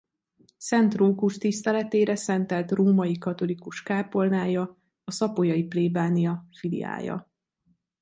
Szent Rókus tiszteletére szentelt római katolikus kápolnája a szapolyai plébánia filiája.